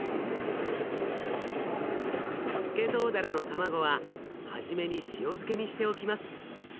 スケトウダラの卵は初めに塩漬けにしておきます。